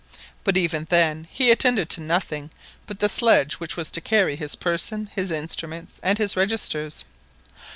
But even then he attended to nothing but the sledge which was to carry his person, his instruments, and his registers.